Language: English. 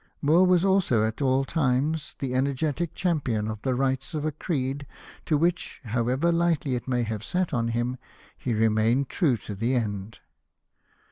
Moore was also at all times the energetic champion of the rights of a creed to which, however lightly it may have sat on him, he remained true to the end.